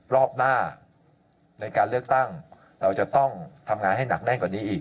รอบหน้าในการเลือกตั้งเราจะต้องทำงานให้หนักแน่นกว่านี้อีก